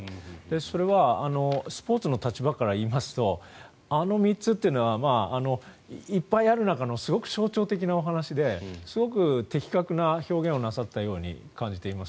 それはスポーツの立場から言いますとあの３つというのはいっぱいある中のすごく象徴的なお話ですごく的確な表現をなさったように感じています。